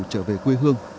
trở về quê hương